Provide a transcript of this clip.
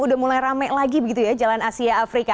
udah mulai rame lagi begitu ya jalan asia afrika